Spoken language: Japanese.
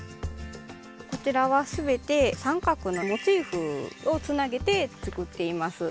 こちらは全て三角のモチーフをつなげて作っています。